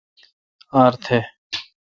ار تھ